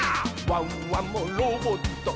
「ワンワンもロボット」